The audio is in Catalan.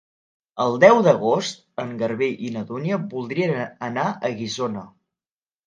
El deu d'agost en Garbí i na Dúnia voldrien anar a Guissona.